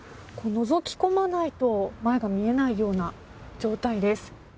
のぞき込まないと前が見えないような状態です。